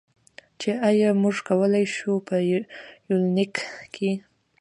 چې ایا موږ کولی شو، په یونلیک کې.